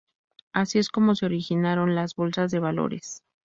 Así es como se originaron las bolsas de valores.